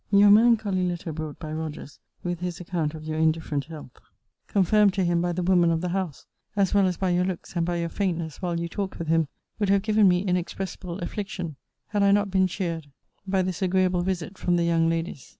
Your melancholy letter brought by Rogers,* with his account of your indifferent health, confirmed to him by the woman of the house, as well as by your looks and by your faintness while you talked with him, would have given me inexpressible affliction, had I not been cheered by this agreeable visit from the young ladies.